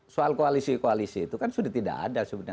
soal koalisi koalisi itu kan sudah tidak ada sebenarnya